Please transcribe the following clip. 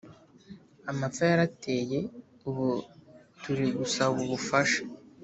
Amapfa yarateye ubu turi gusaba ubufasha